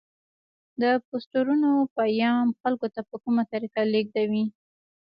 د پوسټرونو پیام خلکو ته په کومه طریقه لیږدوي؟